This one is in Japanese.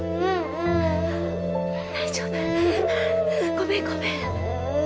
ごめんごめん。